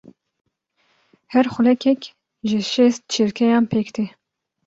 Her xulekek ji şêst çirkeyan pêk tê.